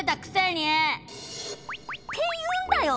って言うんだよ！